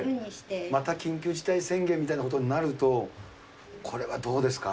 また緊急事態宣言みたいなことになると、これはどうですか？